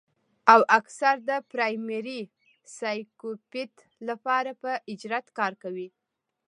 او اکثر د پرائمري سايکوپېت له پاره پۀ اجرت کار کوي